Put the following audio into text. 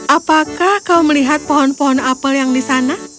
apakah kau melihat pohon pohon apel yang di sana